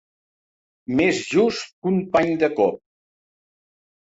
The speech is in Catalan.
Més just que un pany de cop.